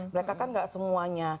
mereka kan gak semuanya